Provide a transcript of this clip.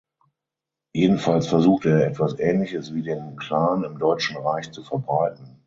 Jedenfalls versuchte er etwas ähnliches wie den Klan im Deutschen Reich zu verbreiten.